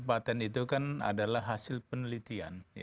kabupaten itu kan adalah hasil penelitian